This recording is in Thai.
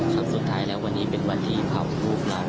ครับสุดท้ายแล้ววันนี้เป็นวันที่เผ่าภูมิหลัง